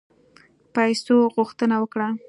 پیسو غوښتنه وکړه.